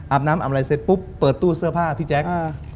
น้ำอาบอะไรเสร็จปุ๊บเปิดตู้เสื้อผ้าพี่แจ๊ค